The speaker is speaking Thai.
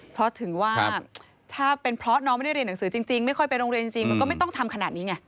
เพราะถึงว่าถ้าเป็นเพราะน้องไม่ได้เรียนหนังสือจริงไม่ค่อยไปโรงเรียนจริงมันก็ไม่ต้องทำขนาดนี้ไง